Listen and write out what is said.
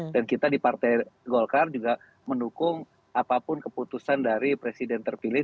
dan kita di partai golkar juga mendukung apapun keputusan dari presiden terpilih